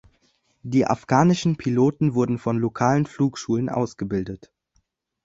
Die afghanischen Piloten wurden von lokalen Flugschulen ausgebildet.